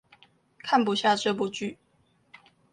看不下這部劇